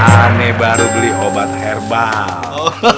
aneh baru beli obat herbal